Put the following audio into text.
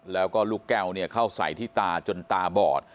แล้วก็ลูกแก้วเข้าใส่ที่ตาจนตาบอด